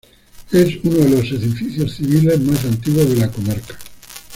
Es uno de los edificios civiles más antiguos de la comarca.